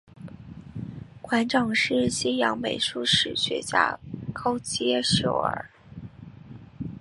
馆长是西洋美术史学家高阶秀尔。